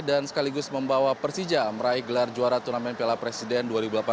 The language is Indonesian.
sekaligus membawa persija meraih gelar juara turnamen piala presiden dua ribu delapan belas